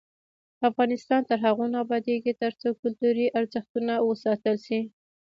افغانستان تر هغو نه ابادیږي، ترڅو کلتوري ارزښتونه وساتل شي.